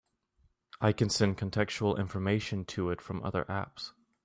I can send contextual information to it from other apps.